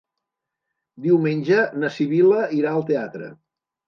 Diumenge na Sibil·la irà al teatre.